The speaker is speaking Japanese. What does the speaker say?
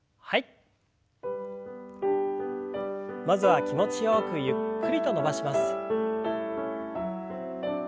まずは気持ちよくゆっくりと伸ばします。